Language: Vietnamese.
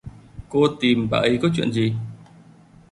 Cô tìm bà ấy có chuyện gì